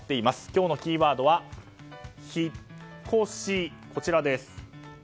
今日のキーワードは「ヒッコシ」。